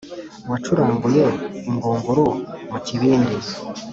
wacuranguye ingunguru mukibindi